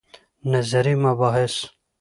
نظري مباحث